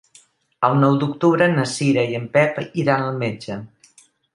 El nou d'octubre na Cira i en Pep iran al metge.